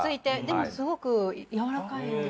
でもすごくやわらかいんですよ。